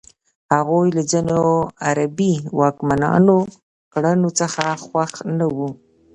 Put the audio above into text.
هغوی له ځینو عربي واکمنانو کړنو څخه خوښ نه وو.